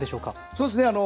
そうですね。